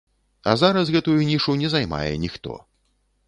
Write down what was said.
А зараз гэтую нішу не займае ніхто.